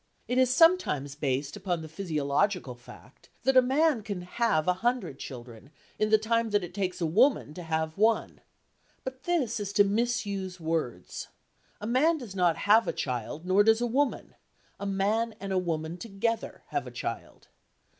It is sometimes based upon the physiological fact that a man can "have" a hundred children in the time that it takes a woman to "have" one. But this is to misuse words. A man does not have a child, nor does a woman: a man and woman together have a child.